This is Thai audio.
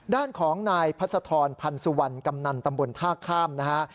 ด้านของนายพัศธรพันธ์สุวรรณกำนันตำบลท่าข้ามนะฮะ